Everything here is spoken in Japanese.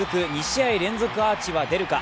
２試合連続アーチは出るか。